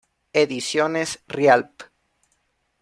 Ediciones Rialp.